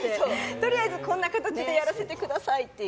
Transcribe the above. とりあえずこんな形でやらせてくださいっていう。